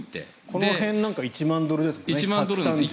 この辺なんか１万ドルですもんね。